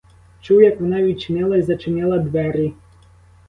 Чув, як вона відчинила й зачинила двері.